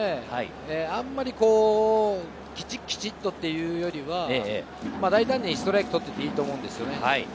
あんまり、きちきちとっていうよりは大胆にストライクを取っていいと思うんですよね。